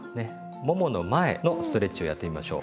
ももの前のストレッチをやってみましょう。